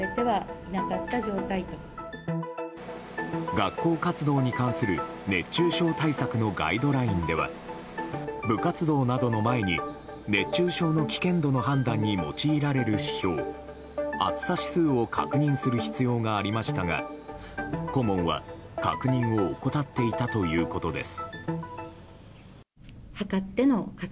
学校活動に関する熱中症対策のガイドラインでは部活動などの前に熱中症の危険度の判断に用いられる指標暑さ指数を確認する必要がありましたが顧問は確認を怠っていたということです。